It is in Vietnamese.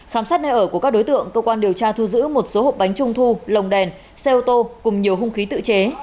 khám sát nơi ở của các đối tượng cơ quan điều tra thu giữ một số hộp bánh trung thu lồng đèn xe ô tô cùng nhiều hung khí tự chế